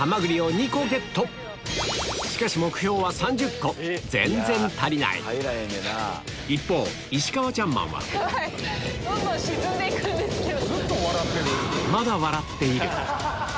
しかし全然足りない一方石川チャンマンはどんどん沈んでいくんですけど。